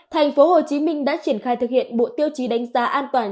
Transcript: thành phố hồ chí minh đã triển khai thực hiện bộ tiêu chí đánh giá an toàn